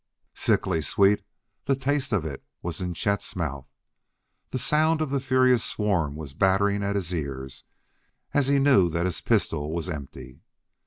Sickly sweet, the taste of it was in Chet's mouth; the sound of the furious swarm was battering at his ears as he knew that his pistol was empty.